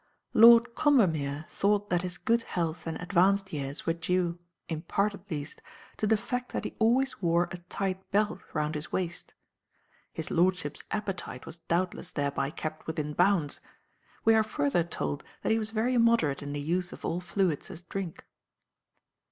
Lord Combermere thought that his good health and advanced years were due, in part at least, to the fact that he always wore a tight belt round his waist. His lordship's appetite was doubtless thereby kept within bounds; we are further told that he was very moderate in the use of all fluids as drink.